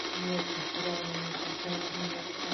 Estudió ciencia política en la Universidad de Roma La Sapienza.